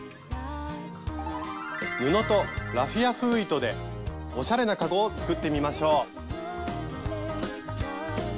布とラフィア風糸でおしゃれなかごを作ってみましょう！